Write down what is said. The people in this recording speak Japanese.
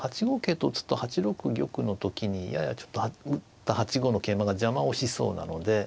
８五桂と打つと８六玉の時にややちょっと打った８五の桂馬が邪魔をしそうなので。